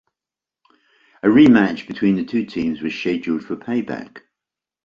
A rematch between the two teams was scheduled for Payback.